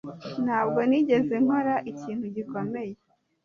Ntabwo nigeze nkora ikintu gikomeye